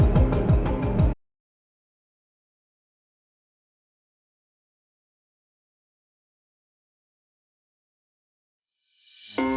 masa lahiran juga